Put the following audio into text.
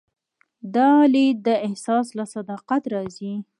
دا لید د احساس له صداقت راځي.